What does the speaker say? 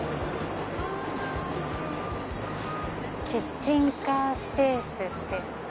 「キッチンカースペース」。